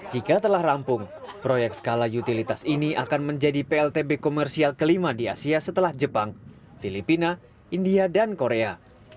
jika telah rampung proyek skala utilitas ini akan menjadi pltb komersial kelima di asia setelah jepang filipina india dan korea